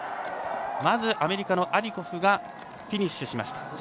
まず、アメリカのアディコフがフィニッシュしました。